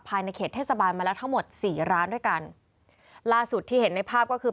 ในเขตเทศบาลมาแล้วทั้งหมดสี่ร้านด้วยกันล่าสุดที่เห็นในภาพก็คือ